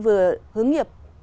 vừa hướng nghiệp